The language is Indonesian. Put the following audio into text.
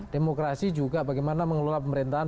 demokrasi juga bagaimana mengelola pemerintahan